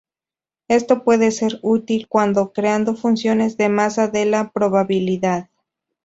Esto puede ser útil cuándo creando funciones de masa de la probabilidad.